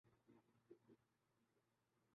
Abu Dhabi کی مبادل